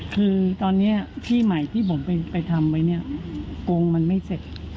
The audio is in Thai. คือตอนนี้ที่ใหม่ที่ผมไปทำไว้เนี่ยโกงมันไม่เสร็จ